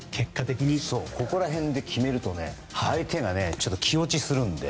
ここらへんで決めると相手が気落ちするので。